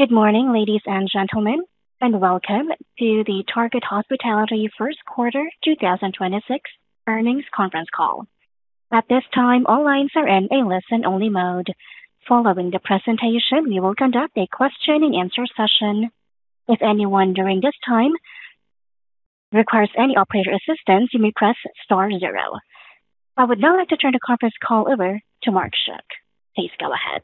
Good morning, ladies and gentlemen, and welcome to the Target Hospitality first quarter 2026 earnings conference call. At this time, all lines are in a listen-only mode. Following the presentation, we will conduct a question-and-answer session. If anyone during this time requires any operator assistance, you may press star zero. I would now like to turn the conference call over to Mark Schuck. Please go ahead.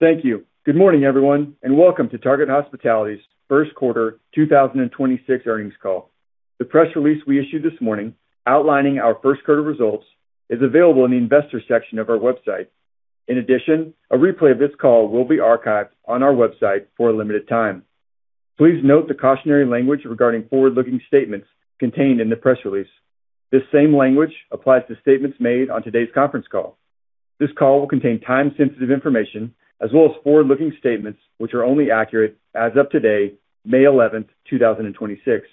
Thank you. Good morning, everyone, and welcome to Target Hospitality's first quarter 2026 earnings call. The press release we issued this morning outlining our first quarter results is available in the Investors section of our website. In addition, a replay of this call will be archived on our website for a limited time. Please note the cautionary language regarding forward-looking statements contained in the press release. This same language applies to statements made on today's conference call. This call will contain time-sensitive information as well as forward-looking statements, which are only accurate as of today, May 11th, 2026.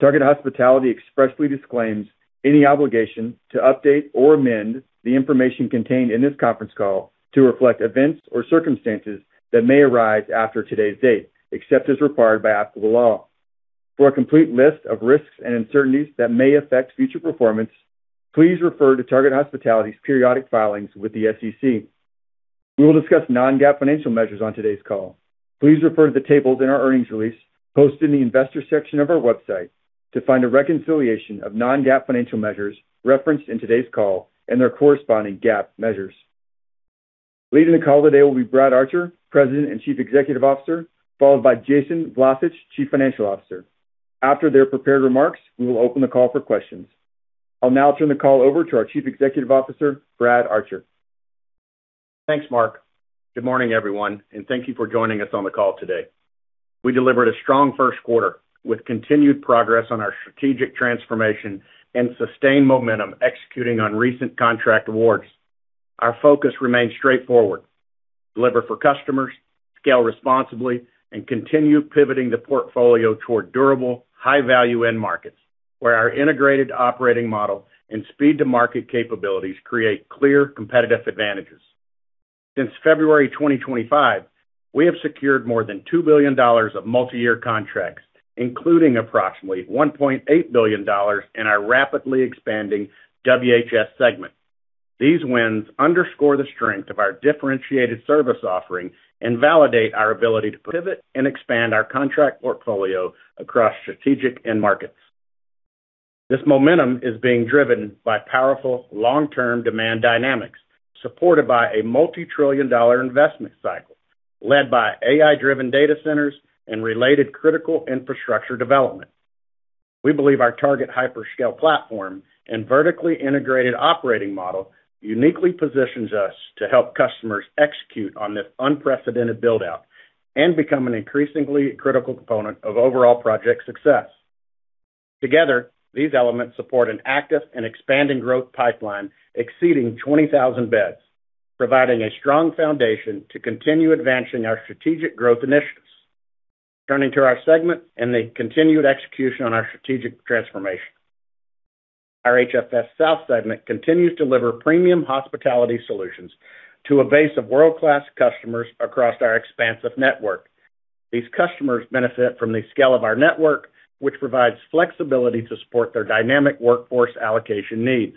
Target Hospitality expressly disclaims any obligation to update or amend the information contained in this conference call to reflect events or circumstances that may arise after today's date, except as required by applicable law. For a complete list of risks and uncertainties that may affect future performance, please refer to Target Hospitality's periodic filings with the SEC. We will discuss non-GAAP financial measures on today's call. Please refer to the tables in our earnings release posted in the Investors Section of our website to find a reconciliation of non-GAAP financial measures referenced in today's call and their corresponding GAAP measures. Leading the call today will be Brad Archer, President and Chief Executive Officer, followed by Jason Vlacich, Chief Financial Officer. After their prepared remarks, we will open the call for questions. I'll now turn the call over to our Chief Executive Officer, Brad Archer. Thanks, Mark. Good morning, everyone. Thank you for joining us on the call today. We delivered a strong first quarter with continued progress on our strategic transformation and sustained momentum executing on recent contract awards. Our focus remains straightforward: deliver for customers, scale responsibly, and continue pivoting the portfolio toward durable, high-value end markets where our integrated operating model and speed-to-market capabilities create clear competitive advantages. Since February 2025, we have secured more than $2 billion of multiyear contracts, including approximately $1.8 billion in our rapidly expanding WHS segment. These wins underscore the strength of our differentiated service offering and validate our ability to pivot and expand our contract portfolio across strategic end markets. This momentum is being driven by powerful long-term demand dynamics supported by a multi-trillion dollar investment cycle led by AI-driven data centers and related critical infrastructure development. We believe our Target Hyper/Scale platform and vertically integrated operating model uniquely positions us to help customers execute on this unprecedented build-out and become an increasingly critical component of overall project success. Together, these elements support an active and expanding growth pipeline exceeding 20,000 beds, providing a strong foundation to continue advancing our strategic growth initiatives. Turning to our segment and the continued execution on our strategic transformation. Our HFS - South segment continues to deliver premium hospitality solutions to a base of world-class customers across our expansive network. These customers benefit from the scale of our network, which provides flexibility to support their dynamic workforce allocation needs.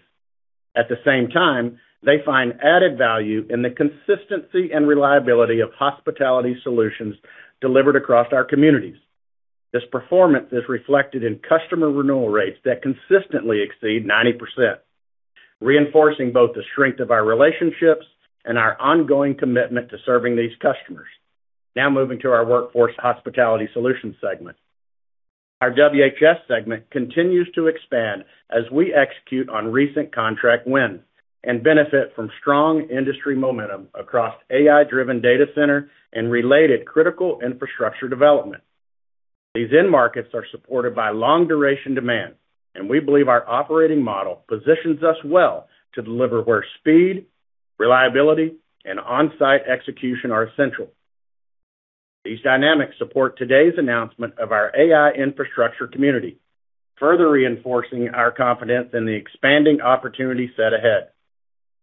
At the same time, they find added value in the consistency and reliability of hospitality solutions delivered across our communities. This performance is reflected in customer renewal rates that consistently exceed 90%, reinforcing both the strength of our relationships and our ongoing commitment to serving these customers. Now moving to our Workforce Hospitality Solutions segment. Our WHS segment continues to expand as we execute on recent contract wins and benefit from strong industry momentum across AI-driven data center and related critical infrastructure development. These end markets are supported by long-duration demand. We believe our operating model positions us well to deliver where speed, reliability, and on-site execution are essential. These dynamics support today's announcement of our AI Infrastructure Community, further reinforcing our confidence in the expanding opportunity set ahead.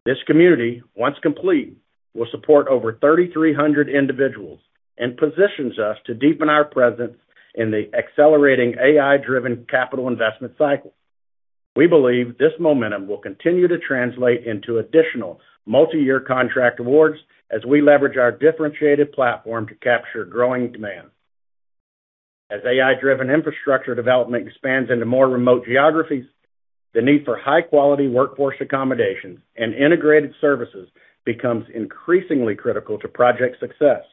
This community, once complete, will support over 3,300 individuals and positions us to deepen our presence in the accelerating AI-driven capital investment cycle. We believe this momentum will continue to translate into additional multiyear contract awards as we leverage our differentiated platform to capture growing demand. As AI-driven infrastructure development expands into more remote geographies, the need for high-quality workforce accommodation and integrated services becomes increasingly critical to project success.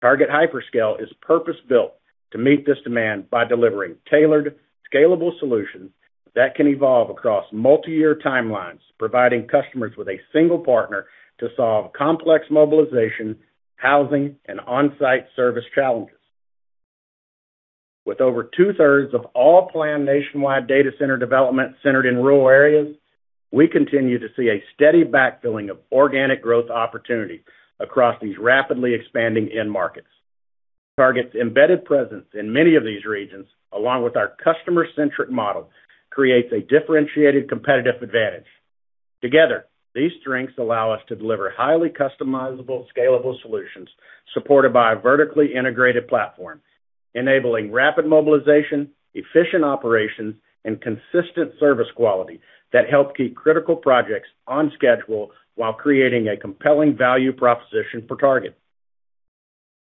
Target Hyper/Scale is purpose-built to meet this demand by delivering tailored, scalable solutions that can evolve across multiyear timelines, providing customers with a single partner to solve complex mobilization, housing, and on-site service challenges. With over two-thirds of all planned nationwide data center development centered in rural areas, we continue to see a steady backfilling of organic growth opportunity across these rapidly expanding end markets. Target's embedded presence in many of these regions, along with our customer-centric model, creates a differentiated competitive advantage. Together, these strengths allow us to deliver highly customizable, scalable solutions supported by a vertically integrated platform, enabling rapid mobilization, efficient operations, and consistent service quality that help keep critical projects on schedule while creating a compelling value proposition for Target.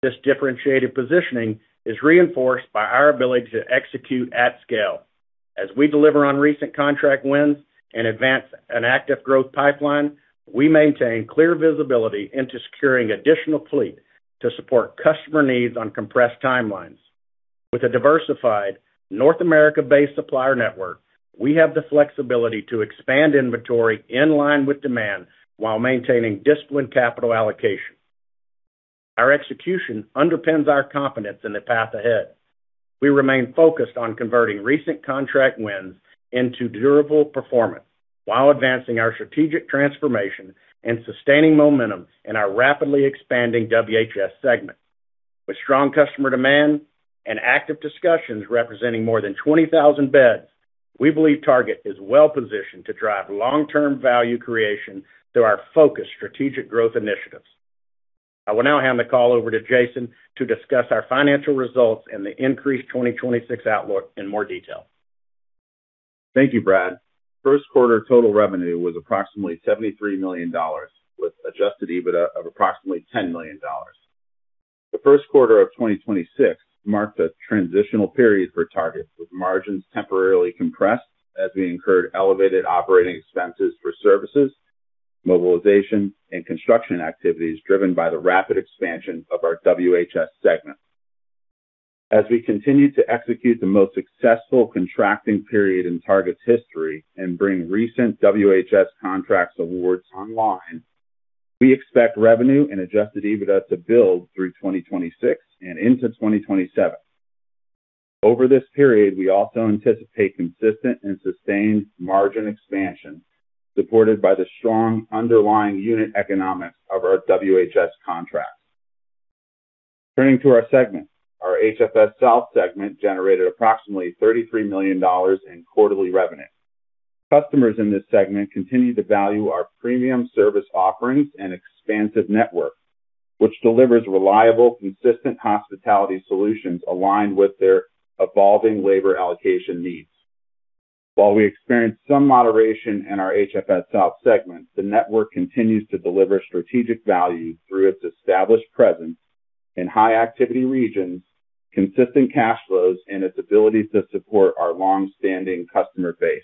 This differentiated positioning is reinforced by our ability to execute at scale. As we deliver on recent contract wins and advance an active growth pipeline, we maintain clear visibility into securing additional fleet to support customer needs on compressed timelines. With a diversified North America-based supplier network, we have the flexibility to expand inventory in line with demand while maintaining disciplined capital allocation. Our execution underpins our confidence in the path ahead. We remain focused on converting recent contract wins into durable performance while advancing our strategic transformation and sustaining momentum in our rapidly expanding WHS segment. With strong customer demand and active discussions representing more than 20,000 beds, we believe Target is well-positioned to drive long-term value creation through our focused strategic growth initiatives. I will now hand the call over to Jason to discuss our financial results and the increased 2026 outlook in more detail. Thank you, Brad. First quarter total revenue was approximately $73 million, with adjusted EBITDA of approximately $10 million. The first quarter of 2026 marked a transitional period for Target, with margins temporarily compressed as we incurred elevated operating expenses for services, mobilization, and construction activities driven by the rapid expansion of our WHS segment. We continue to execute the most successful contracting period in Target's history and bring recent WHS contracts awards online, we expect revenue and adjusted EBITDA to build through 2026 and into 2027. Over this period, we also anticipate consistent and sustained margin expansion supported by the strong underlying unit economics of our WHS contracts. Turning to our segment. Our HFS South segment generated approximately $33 million in quarterly revenue. Customers in this segment continue to value our premium service offerings and expansive network, which delivers reliable, consistent hospitality solutions aligned with their evolving labor allocation needs. While we experienced some moderation in our HFS - South segment, the network continues to deliver strategic value through its established presence in high-activity regions, consistent cash flows, and its ability to support our long-standing customer base.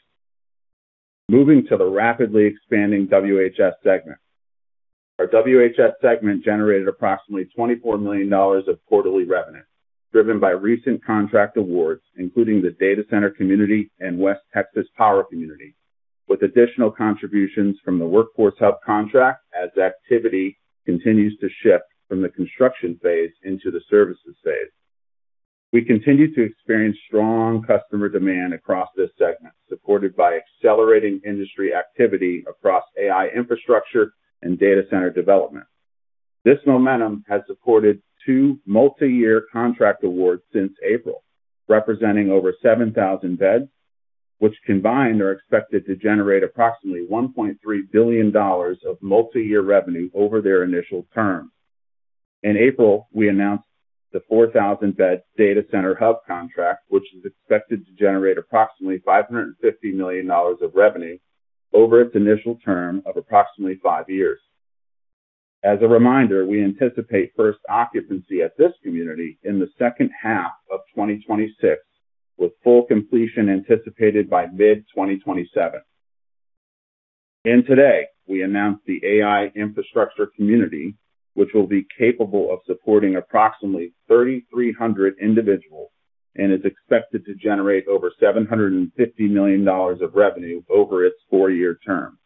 Moving to the rapidly expanding WHS segment. Our WHS segment generated approximately $24 million of quarterly revenue, driven by recent contract awards, including the Data Center Community and West Texas Power Community, with additional contributions from the Workforce Hub contract as activity continues to shift from the construction phase into the services phase. We continue to experience strong customer demand across this segment, supported by accelerating industry activity across AI infrastructure and data center development. This momentum has supported two multiyear contract awards since April, representing over 7,000 beds, which combined are expected to generate approximately $1.3 billion of multiyear revenue over their initial terms. In April, we announced the 4,000 beds Data Center Hub contract, which is expected to generate approximately $550 million of revenue over its initial term of approximately five years. As a reminder, we anticipate first occupancy at this community in the second half of 2026, with full completion anticipated by mid-2027. Today, we announced the AI Infrastructure Community, which will be capable of supporting approximately 3,300 individuals and is expected to generate over $750 million of revenue over its four-year term.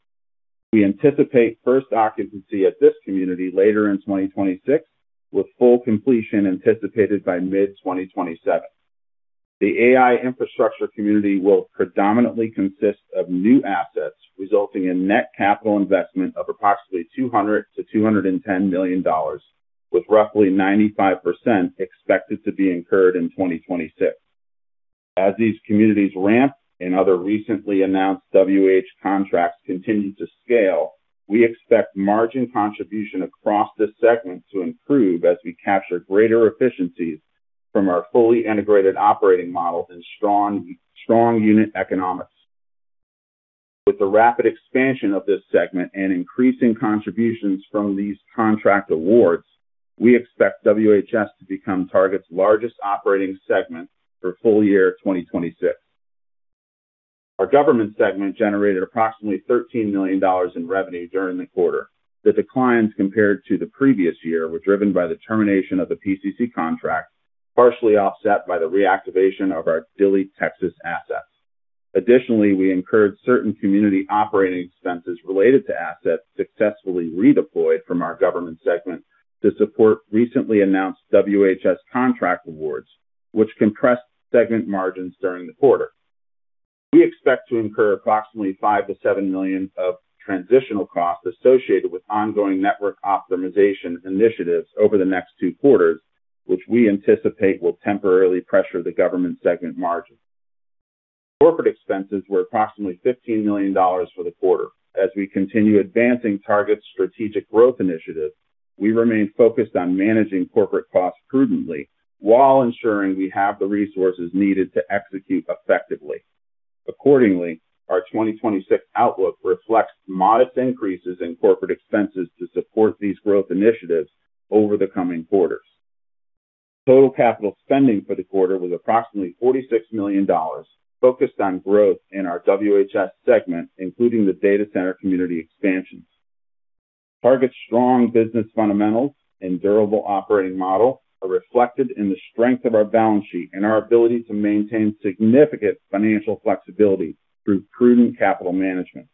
We anticipate first occupancy at this community later in 2026, with full completion anticipated by mid-2027. The AI Infrastructure Community will predominantly consist of new assets, resulting in net capital investment of approximately $200 million-$210 million, with roughly 95% expected to be incurred in 2026. As these communities ramp and other recently announced WHS contracts continue to scale, we expect margin contribution across this segment to improve as we capture greater efficiencies from our fully integrated operating model and strong unit economics. With the rapid expansion of this segment and increasing contributions from these contract awards, we expect WHS to become Target's largest operating segment for full year 2026. Our government segment generated approximately $13 million in revenue during the quarter. The declines compared to the previous year were driven by the termination of the PCC contract, partially offset by the reactivation of our Dilley, Texas assets. Additionally, we incurred certain community operating expenses related to assets successfully redeployed from our government segment to support recently announced WHS contract awards, which compressed segment margins during the quarter. We expect to incur approximately $5 million-$7 million of transitional costs associated with ongoing network optimization initiatives over the next two quarters, which we anticipate will temporarily pressure the government segment margin. Corporate expenses were approximately $15 million for the quarter. As we continue advancing Target's strategic growth initiatives, we remain focused on managing corporate costs prudently while ensuring we have the resources needed to execute effectively. Accordingly, our 2026 outlook reflects modest increases in corporate expenses to support these growth initiatives over the coming quarters. Total capital spending for the quarter was approximately $46 million, focused on growth in our WHS segment, including the Data Center Community expansions. Target Hospitality's strong business fundamentals and durable operating model are reflected in the strength of our balance sheet and our ability to maintain significant financial flexibility through prudent capital management.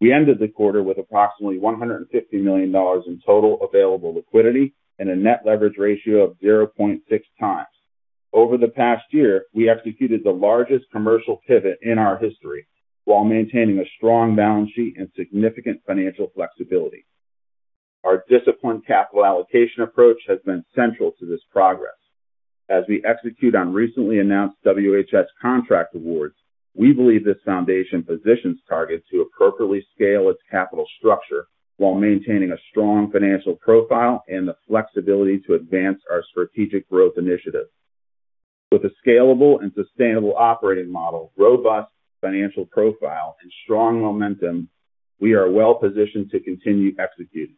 We ended the quarter with approximately $150 million in total available liquidity and a net leverage ratio of 0.6x. Over the past year, we executed the largest commercial pivot in our history while maintaining a strong balance sheet and significant financial flexibility. Our disciplined capital allocation approach has been central to this progress. As we execute on recently announced WHS contract awards, we believe this foundation positions Target Hospitality to appropriately scale its capital structure while maintaining a strong financial profile and the flexibility to advance our strategic growth initiatives. With a scalable and sustainable operating model, robust financial profile, and strong momentum, we are well positioned to continue executing.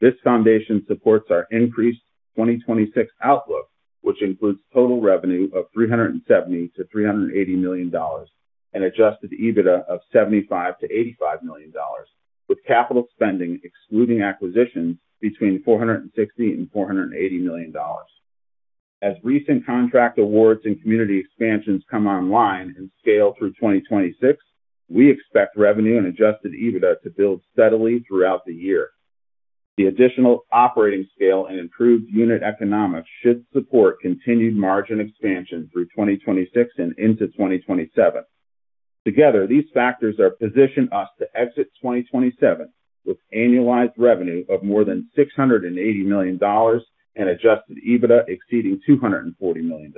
This foundation supports our increased 2026 outlook, which includes total revenue of $370 million-$380 million and adjusted EBITDA of $75 million-$85 million, with capital spending excluding acquisitions between $460 million and $480 million. As recent contract awards and community expansions come online and scale through 2026, we expect revenue and adjusted EBITDA to build steadily throughout the year. The additional operating scale and improved unit economics should support continued margin expansion through 2026 and into 2027. Together, these factors are positioned us to exit 2027 with annualized revenue of more than $680 million and adjusted EBITDA exceeding $240 million.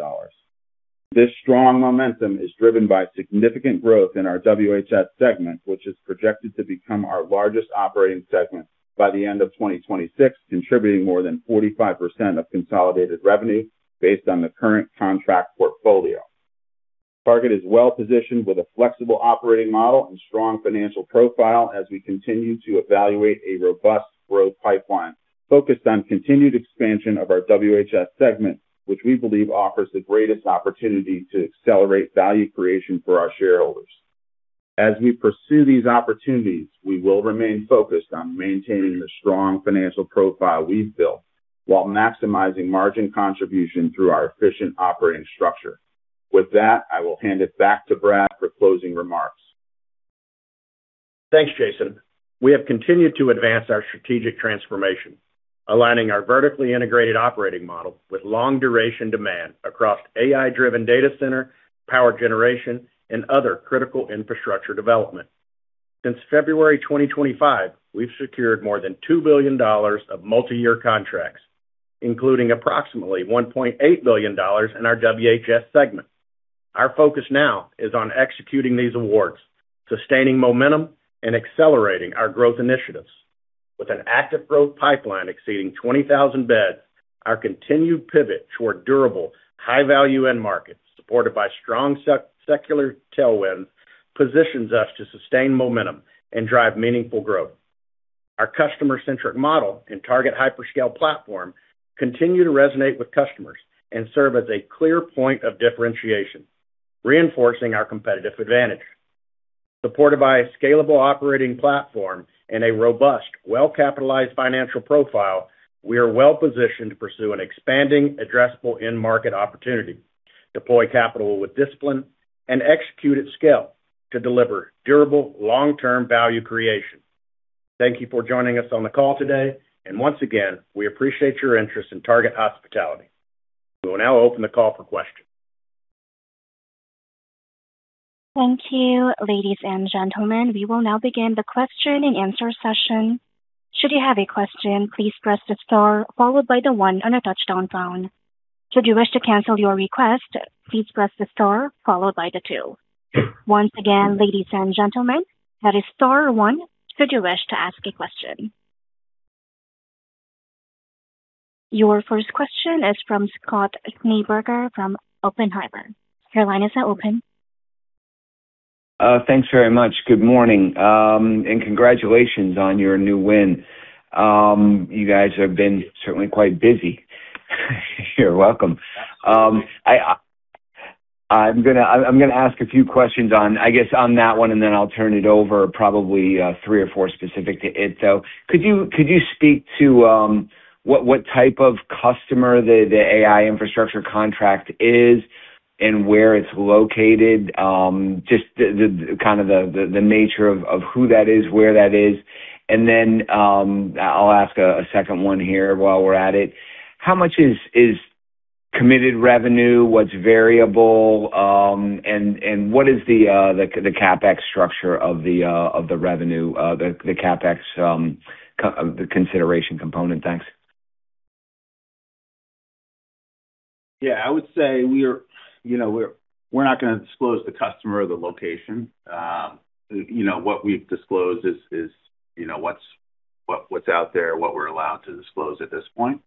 This strong momentum is driven by significant growth in our WHS segment, which is projected to become our largest operating segment by the end of 2026, contributing more than 45% of consolidated revenue based on the current contract portfolio. Target is well positioned with a flexible operating model and strong financial profile as we continue to evaluate a robust growth pipeline focused on continued expansion of our WHS segment, which we believe offers the greatest opportunity to accelerate value creation for our shareholders. As we pursue these opportunities, we will remain focused on maintaining the strong financial profile we've built while maximizing margin contribution through our efficient operating structure. With that, I will hand it back to Brad for closing remarks. Thanks, Jason. We have continued to advance our strategic transformation, aligning our vertically integrated operating model with long duration demand across AI-driven data center, power generation, and other critical infrastructure development. Since February 2025, we've secured more than $2 billion of multi-year contracts, including approximately $1.8 billion in our WHS segment. Our focus now is on executing these awards, sustaining momentum, and accelerating our growth initiatives. With an active growth pipeline exceeding 20,000 beds, our continued pivot toward durable, high-value end markets supported by strong secular tailwinds positions us to sustain momentum and drive meaningful growth. Our customer-centric model and Target Hyper/Scale platform continue to resonate with customers and serve as a clear point of differentiation, reinforcing our competitive advantage. Supported by a scalable operating platform and a robust, well-capitalized financial profile, we are well-positioned to pursue an expanding addressable end market opportunity, deploy capital with discipline, and execute at scale to deliver durable long-term value creation. Thank you for joining us on the call today, and once again, we appreciate your interest in Target Hospitality. We will now open the call for questions. Thank you, ladies and gentlemen. We will now begin the question-and-answer session. Should you have a question, please press the star followed by the one on a touch-tone phone. Should you wish to cancel your request, please press the star followed by the two. Once again, ladies and gentlemen, that is star one should you wish to ask a question. Your first question is from Scott Schneeberger from Oppenheimer. Your line is now open. Thanks very much. Good morning, congratulations on your new win. You guys have been certainly quite busy. You're welcome. I'm gonna ask a few questions on, I guess, on that one, and then I'll turn it over probably three or four specific to it. Could you speak to what type of customer the AI Infrastructure Community contract is and where it's located? Just the kind of the nature of who that is, where that is. I'll ask a second one here while we're at it. How much is committed revenue, what's variable, and what is the CapEx structure of the revenue, the CapEx consideration component? Thanks. I would say we're, you know, we're not gonna disclose the customer or the location. You know, what we've disclosed is, you know, what's out there, what we're allowed to disclose at this point.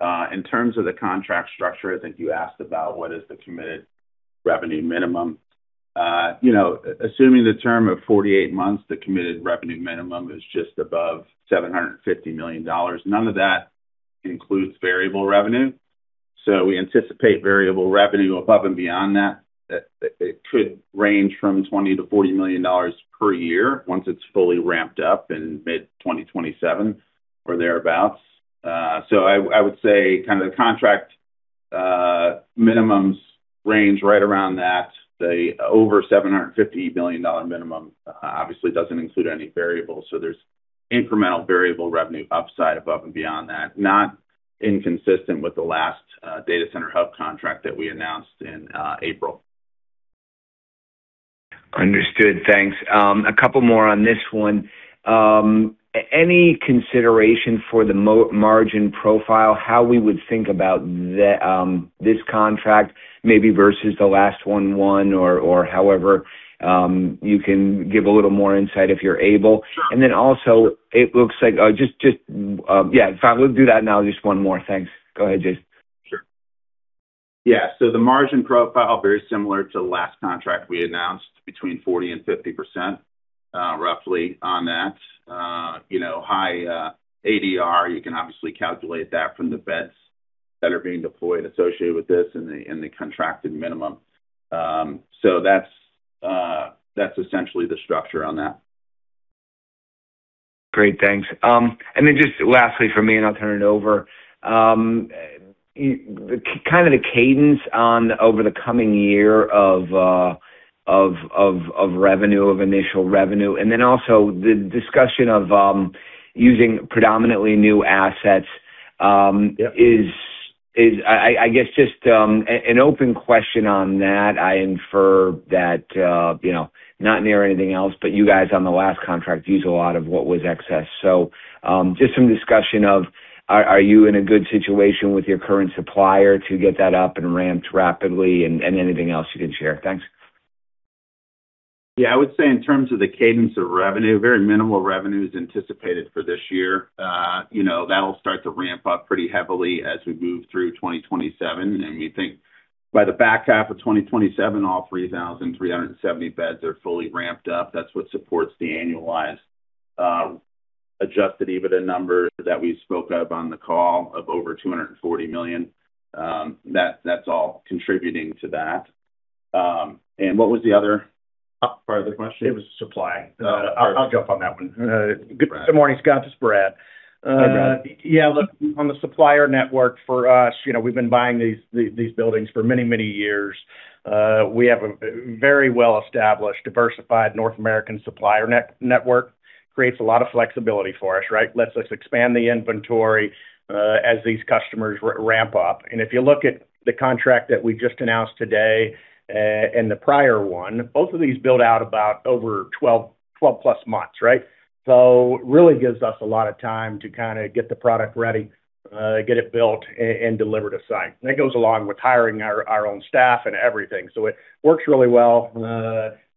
In terms of the contract structure, I think you asked about what is the committed revenue minimum. You know, assuming the term of 48 months, the committed revenue minimum is just above $750 million. None of that includes variable revenue. We anticipate variable revenue above and beyond that it could range from $20 million-$40 million per year once it's fully ramped up in mid-2027 or thereabout. I would say kind of the contract minimums range right around that, say, over $750 million minimum. Obviously, it doesn't include any variables, so there's incremental variable revenue upside above and beyond that. Not inconsistent with the last Data Center Hub contract that we announced in April. Understood. Thanks. A couple more on this one. Any consideration for the margin profile, how we would think about the, this contract maybe versus the last one, or however, you can give a little more insight if you're able. Also it looks like In fact, we'll do that now. Just one more. Thanks. Go ahead, Jason. Sure. Yeah. The margin profile, very similar to the last contract we announced, between 40% and 50%, roughly on that. You know, high ADR. You can obviously calculate that from the beds that are being deployed associated with this and the contracted minimum. That's essentially the structure on that. Great. Thanks. Just lastly from me, I'll turn it over. Kind of the cadence on over the coming year of revenue, of initial revenue, and then also the discussion of using predominantly new assets. Yeah is I guess just an open question on that. I infer that, you know, not near anything else, but you guys on the last contract used a lot of what was excess. Just some discussion of are you in a good situation with your current supplier to get that up and ramped rapidly and anything else you can share? Thanks. Yeah. I would say in terms of the cadence of revenue, very minimal revenue is anticipated for this year. You know, that'll start to ramp up pretty heavily as we move through 2027. We think by the back half of 2027, all 3,370 beds are fully ramped up. That's what supports the annualized, adjusted EBITDA number that we spoke of on the call of over $240 million. That's all contributing to that. What was the other part of the question? It was supply. Oh. I'll jump on that one. Good morning, Scott. This is Brad. Hi, Brad. Yeah, look, on the supplier network for us, you know, we've been buying these buildings for many, many years. We have a very well-established, diversified North American supplier network. Creates a lot of flexibility for us, right? Lets us expand the inventory as these customers ramp up. If you look at the contract that we just announced today, and the prior one, both of these build out about over 12+ months, right? It really gives us a lot of time to kinda get the product ready, get it built and delivered on site. That goes along with hiring our own staff and everything. It works really well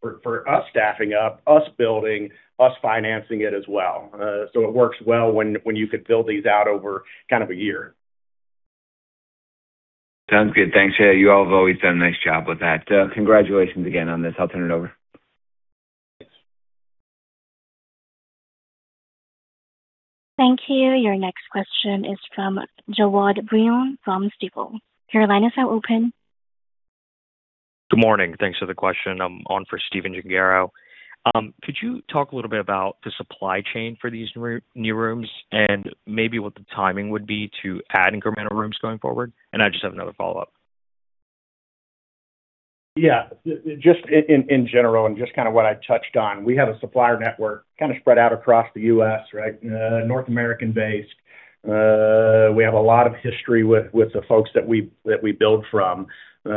for us staffing up, us building, us financing it as well. It works well when you could build these out over kind of a year. Sounds good. Thanks. Yeah, you all have always done a nice job with that. Congratulations again on this. I'll turn it over. Thank you. Your next question is from Jawad Bhuiyan from Stifel. Your line is now open. Good morning. Thanks for the question. I'm on for Stephen Gengaro. Could you talk a little bit about the supply chain for these new rooms and maybe what the timing would be to add incremental rooms going forward? I just have another follow-up. Yeah. Just in general and just kinda what I touched on, we have a supplier network kinda spread out across the U.S., right? North American-based. We have a lot of history with the folks that we build from.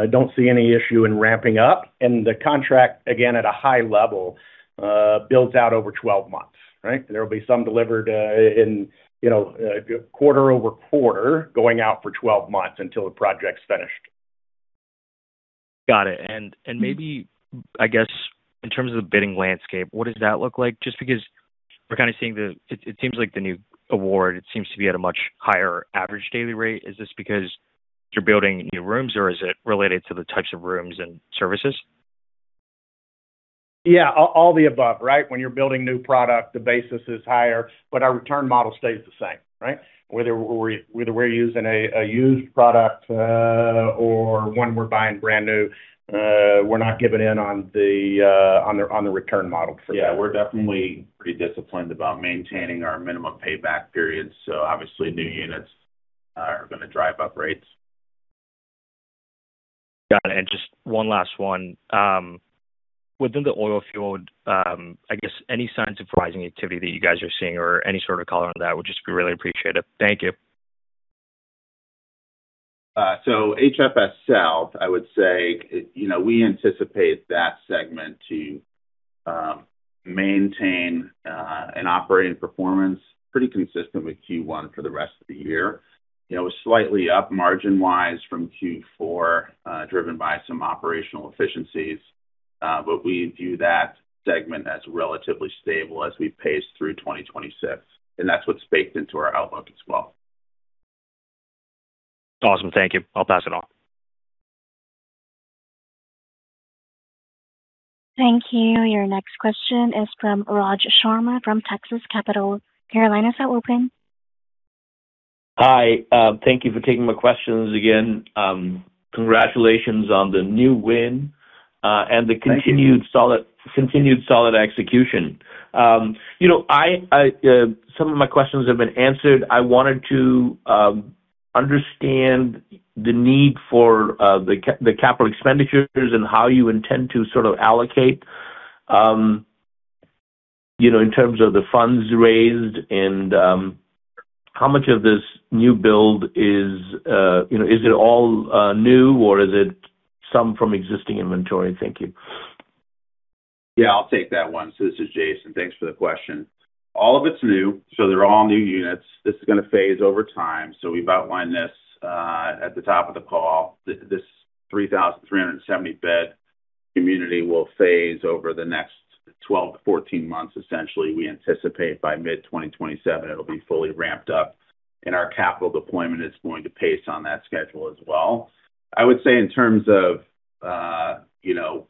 Don't see any issue in ramping up. The contract, again, at a high level, builds out over 12 months, right? There will be some delivered in, you know, quarter-over-quarter going out for 12 months until the project's finished. Got it. Maybe, I guess, in terms of the bidding landscape, what does that look like? Because we're kinda seeing it seems like the new award, it seems to be at a much higher average daily rate. Is this because you're building new rooms or is it related to the types of rooms and services? Yeah. All the above, right? When you're building new product, the basis is higher, but our return model stays the same, right? Whether we're using a used product, or one we're buying brand new, we're not giving in on the return model for that. Yeah. We're definitely pretty disciplined about maintaining our minimum payback periods, so obviously new units are gonna drive up rates. Got it. Just one last one. I guess any signs of pricing activity that you guys are seeing or any sort of color on that would just be really appreciated. Thank you. HFS - South, I would say, you know, we anticipate that segment to maintain an operating performance pretty consistent with Q1 for the rest of the year. You know, slightly up margin-wise from Q4, driven by some operational efficiencies. We view that segment as relatively stable as we pace through 2026, and that's what's baked into our outlook as well. Awesome. Thank you. I'll pass it on. Thank you. Your next question is from Rajiv Sharma from Texas Capital. Your line is now open. Hi. Thank you for taking my questions again. Congratulations on the new win. Thank you. Continued solid, continued solid execution. You know, I, some of my questions have been answered. I wanted to understand the need for the capital expenditures and how you intend to sort of allocate, you know, in terms of the funds raised and how much of this new build is, you know, is it all new or is it some from existing inventory? Thank you. Yeah, I'll take that one. This is Jason. Thanks for the question. All of it's new, so they're all new units. This is going to phase over time. We've outlined this at the top of the call. This 3,370 bed community will phase over the next 12 months, 14 months, essentially. We anticipate by mid-2027 it will be fully ramped up, and our capital deployment is going to pace on that schedule as well. I would say in terms of, you know,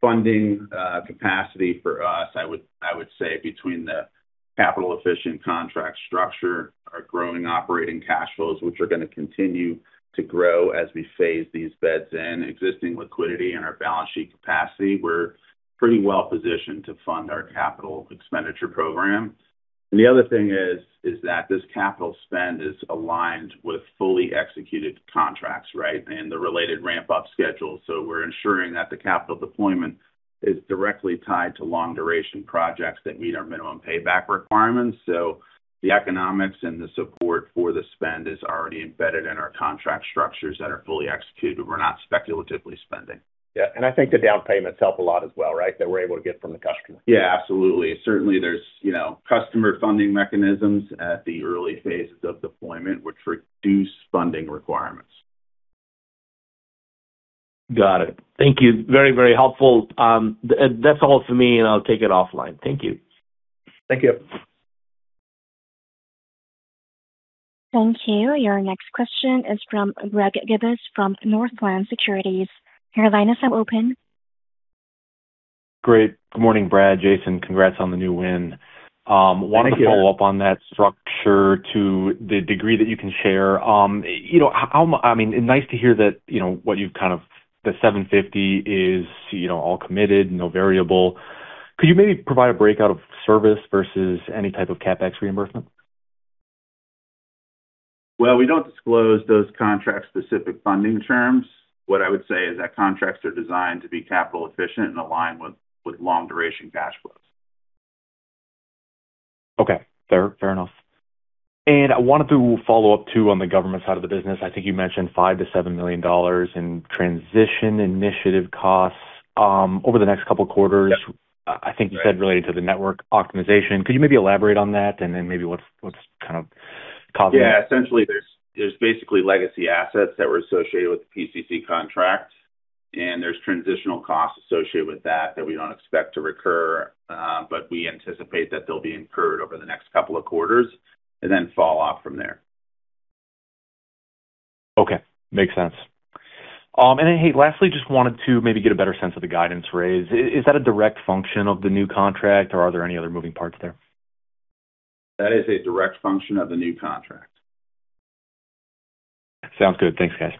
funding capacity for us, I would say between the capital efficient contract structure, our growing operating cash flows, which are going to continue to grow as we phase these beds in, existing liquidity and our balance sheet capacity, we're pretty well positioned to fund our capital expenditure program. The other thing is that this capital spend is aligned with fully executed contracts, right? The related ramp-up schedule. We're ensuring that the capital deployment is directly tied to long duration projects that meet our minimum payback requirements. The economics and the support for the spend is already embedded in our contract structures that are fully executed. We're not speculatively spending. Yeah. I think the down payments help a lot as well, right, that we're able to get from the customer. Yeah, absolutely. Certainly there's, you know, customer funding mechanisms at the early phases of deployment which reduce funding requirements. Got it. Thank you. Very, very helpful. That's all for me, and I'll take it offline. Thank you. Thank you. Thank you. Your next question is from Greg Gibas from Northland Securities. Great. Good morning, Brad. Jason, congrats on the new win. Thank you. I wanted to follow up on that structure to the degree that you can share. You know, I mean, nice to hear that, you know, what you've kind of the $750 is, you know, all committed, no variable. Could you maybe provide a breakout of service versus any type of CapEx reimbursement? Well, we don't disclose those contract specific funding terms. What I would say is that contracts are designed to be capital efficient and align with long duration cash flows. Okay, fair enough. I wanted to follow up too on the government side of the business. I think you mentioned $5 million-$7 million in transition initiative costs, over the next couple quarters. Yeah. I think you said related to the network optimization. Could you maybe elaborate on that and then maybe what's kind of causing it? Yeah. Essentially there's basically legacy assets that were associated with the PCC contract, and there's transitional costs associated with that that we don't expect to recur. We anticipate that they'll be incurred over the next couple of quarters and then fall off from there. Okay. Makes sense. Lastly, just wanted to maybe get a better sense of the guidance raise. Is that a direct function of the new contract, or are there any other moving parts there? That is a direct function of the new contract. Sounds good. Thanks, guys.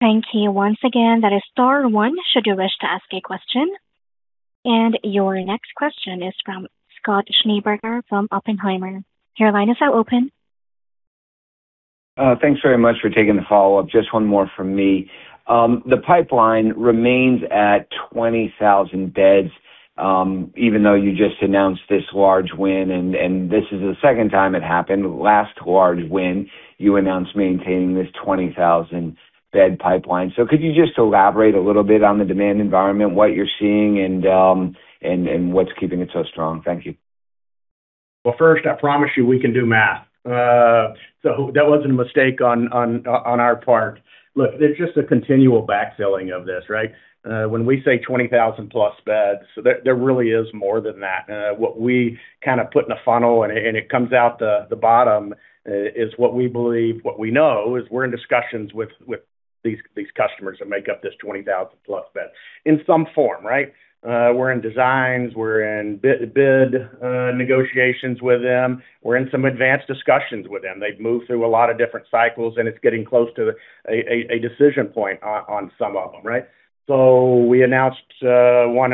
Thank you. Once again, that is star one should you wish to ask a question. Your next question is from Scott Schneeberger from Oppenheimer. Your line is now open. Thanks very much for taking the follow-up. Just one more from me. The pipeline remains at 20,000 beds, even though you just announced this large win, this is the second time it happened. Last large win, you announced maintaining this 20,000 bed pipeline. Could you just elaborate a little bit on the demand environment, what you're seeing, what's keeping it so strong? Thank you. First, I promise you we can do math. That wasn't a mistake on our part. Look, there's just a continual backfilling of this, right? When we say 20,000+ beds, there really is more than that. What we kind of put in a funnel and it comes out the bottom is what we believe, what we know is we're in discussions with these customers that make up this 20,000+ beds in some form, right? We're in designs, we're in bid negotiations with them. We're in some advanced discussions with them. They've moved through a lot of different cycles, and it's getting close to a decision point on some of them, right? We announced one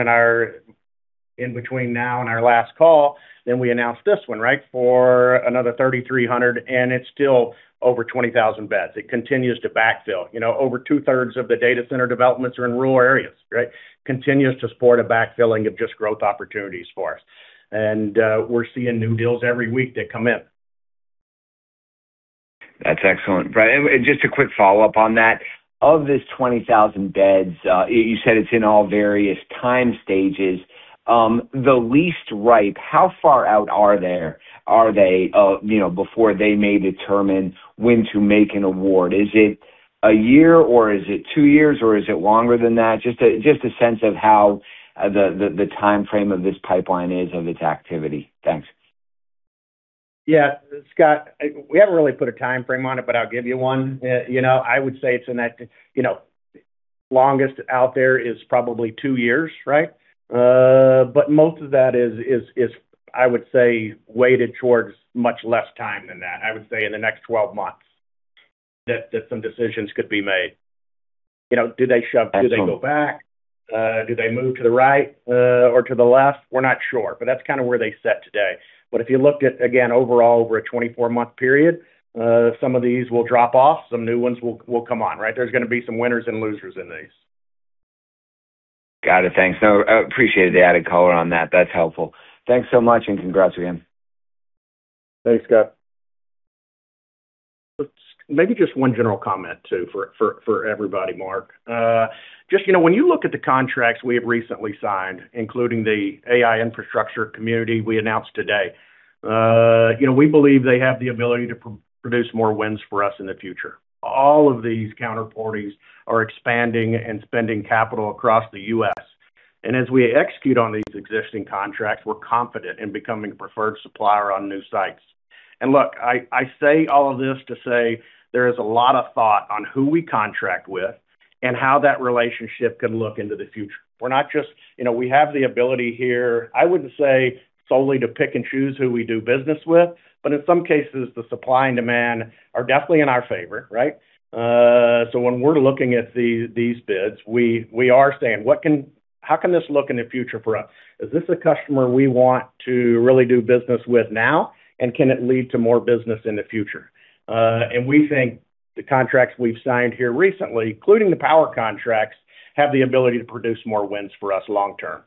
in between now and our last call, then we announced this one, right? For another 3,300 beds and it's still over 20,000 beds. It continues to backfill. You know, over two-thirds of the data center developments are in rural areas, right? Continues to support a backfilling of just growth opportunities for us. We're seeing new deals every week that come in. That's excellent, Brad. Just a quick follow-up on that. Of this 20,000 beds, you said it's in all various time stages. The least ripe, how far out are they, you know, before they may determine when to make an award? Is it a year or is it two years or is it longer than that? Just a sense of how the timeframe of this pipeline is of its activity. Thanks. Scott, we haven't really put a timeframe on it, but I'll give you one. You know, I would say it's in that, you know, longest out there is probably two years, right? Most of that is, I would say, weighted towards much less time than that. I would say in the next 12 months that some decisions could be made. You know, do they. Excellent. Do they go back? Do they move to the right or to the left? We're not sure. That's kinda where they sit today. If you looked at, again, overall over a 24-month period, some of these will drop off, some new ones will come on, right? There's gonna be some winners and losers in these. Got it. Thanks. No, I appreciate the added color on that. That's helpful. Thanks so much and congrats again. Thanks, Scott. Let's maybe just one general comment, too, for everybody, Mark. just, you know, when you look at the contracts we have recently signed, including the AI Infrastructure Community we announced today, you know, we believe they have the ability to produce more wins for us in the future. All of these counterparties are expanding and spending capital across the U.S. As we execute on these existing contracts, we're confident in becoming a preferred supplier on new sites. Look, I say all of this to say there is a lot of thought on who we contract with and how that relationship can look into the future. We're not just You know, we have the ability here, I wouldn't say solely to pick and choose who we do business with, but in some cases, the supply and demand are definitely in our favor, right? When we're looking at these bids, we are saying, "How can this look in the future for us? Is this a customer we want to really do business with now? And can it lead to more business in the future?" We think the contracts we've signed here recently, including the power contracts, have the ability to produce more wins for us long term.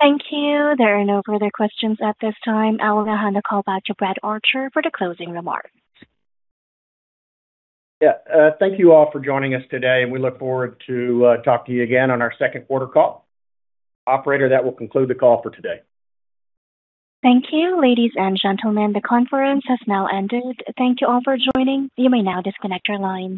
Thank you. There are no further questions at this time. I will now hand the call back to Brad Archer for the closing remarks. Yeah. Thank you all for joining us today, and we look forward to talking to you again on our second quarter call. Operator, that will conclude the call for today. Thank you, ladies and gentlemen. The conference has now ended. Thank you all for joining. You may now disconnect your lines.